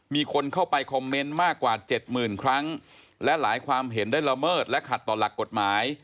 มีคนเข้าไปคอมเมนต์มากกว่าเจ็ดหมื่นครั้งและหลายความเห็นได้ละเมิดและขัดต่อหลักกฎหมาย